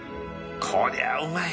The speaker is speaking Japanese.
こりゃうまい！